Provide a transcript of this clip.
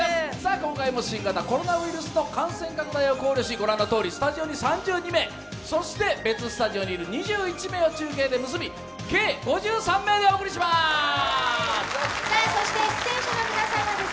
今回も新型コロナウイルスの感染拡大を考慮しご覧のとおり、スタジオに３２名そして別スタジオにいる２１名を中継で結び、計５３名でお送りします。